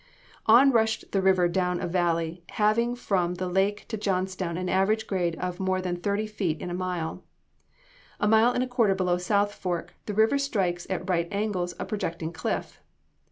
On rushed the river down a valley, having from the lake to Johnstown an average grade of more than thirty feet in a mile. A mile and a quarter below South Fork the river strikes at right angles a projecting cliff.